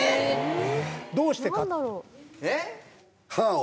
どうしてか？